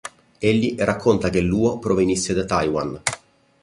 Egli racconta che Luo provenisse da Taiyuan.